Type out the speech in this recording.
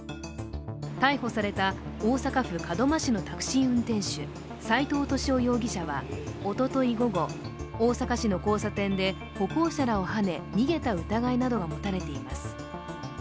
逮捕された大阪府門真市のタクシー運転手、斎藤敏夫容疑者はおととい午後、大阪市の交差点で歩行者らをはね逃げた疑いなどが持たれています。